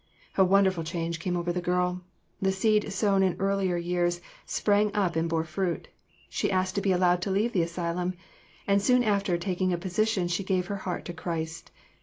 A wonderful change came over the girl; the seed sown in earlier years sprang up and bore fruit. She asked to be allowed to leave the asylum, and soon after taking a position she gave her heart to Christ.